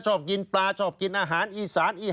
ชอบกินปลาชอบกินอาหารอีสาน